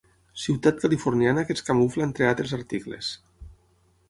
Ciutat californiana que es camufla entre altres articles.